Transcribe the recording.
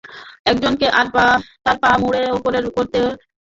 একজনকে তার পা মুড়ে ওপরে করতে হবে এবং হাঁটু বের করে ধরে রাখতে হবে।